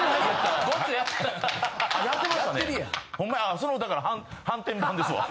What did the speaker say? あそのだから反転版ですわ。